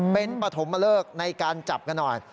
เป็นปฐมเลิกในการจับกันหน่อย